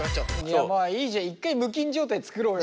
いやまあいいじゃん一回無菌状態作ろうよ。